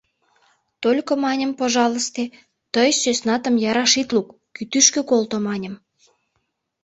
Только, маньым, пожалысте, тый сӧснатым яраш ит лук, кӱтӱшкӧ колто, маньым.